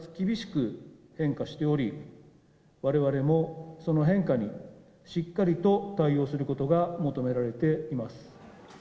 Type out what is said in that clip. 社会情勢は大きく、かつ厳しく変化しており、われわれもその変化にしっかりと対応することが求められています。